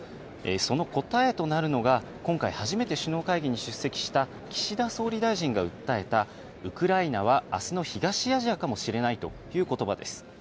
その答えとなるのが、今回初めて首脳会議に出席した岸田総理大臣が訴えた、ウクライナはあすの東アジアかもしれないということばです。